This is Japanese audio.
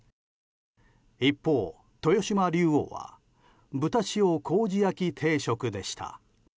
一方、豊島竜王は豚塩麹焼き定食でした。